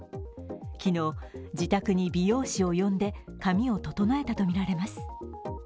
昨日、自宅に美容師を呼んで髪を整えたとみられます。